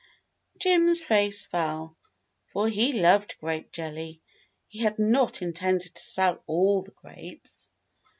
Jim's face fell, for he loved grape jelly. He had not intended to sell all the grapes.